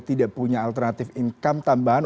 tidak punya alternatif income tambahan